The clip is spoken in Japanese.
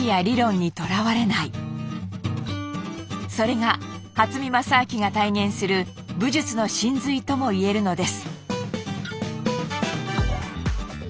それが初見良昭が体現する武術の神髄ともいえるのです。